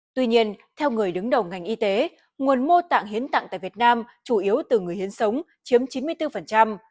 tuy nhiên theo người đứng đầu ngành y tế nguồn mô tạng hiến tặng tại việt nam chủ yếu từ người hiến sống chiếm chín mươi bốn